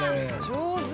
上手！